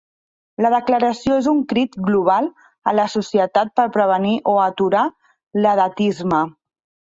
La declaració és un crit global a la societat per prevenir o aturar l'edatisme.